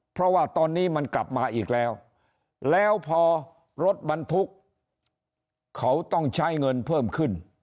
เพราะว่าตอนนี้มันกลับมาอีกแล้วแล้วพอรถบรรทุกเขาต้องใช้เงินเพิ่มขึ้น